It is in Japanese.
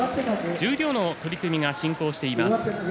十両の取組が進行しています。